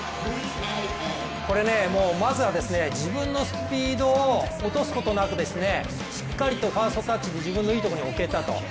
これ、まずは自分のスピードを落とすことなくしっかりとファーストタッチで自分のいいところに置けたと。